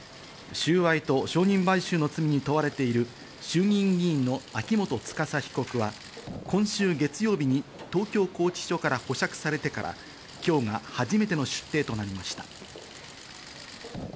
収賄と承認買収の罪に問われている衆議院議員の秋元司被告は、今週月曜日に東京拘置所から保釈されてから今日が初めての出廷となりました。